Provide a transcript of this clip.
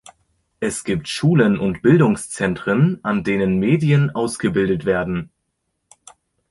Es gibt Schulen und Bildungszentren, an denen Medien ausgebildet werden.